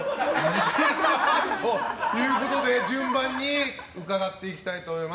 自信があるということで順番に伺っていきたいと思います。